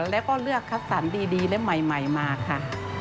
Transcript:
แล้วก็เลือกคัดสรรดีและใหม่มาค่ะ